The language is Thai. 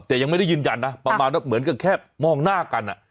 แต่ยังไม่ได้ยืนยันนะประมาณว่าเหมือนกับแค่มองหน้ากัน